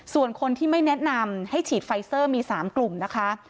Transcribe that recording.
ส่วนคนที่ไม่แนะนำให้ฉีดไฟเซอร์มี๓กลุ่มนะคะ